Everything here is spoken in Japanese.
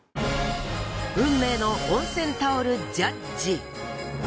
運命の温泉タオルジャッジ。